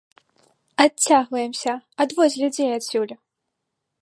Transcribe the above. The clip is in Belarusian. Адцягваемся, адводзь людзей адсюль!